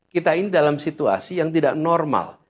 kita ini dalam situasi yang tidak normal